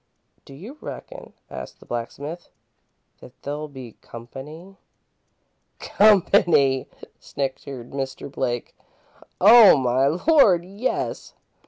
"Do you reckon," asked the blacksmith, "that there'll be company?" "Company," snickered Mr. Blake, "oh, my Lord, yes!